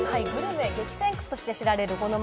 グルメ激戦区で知られるこの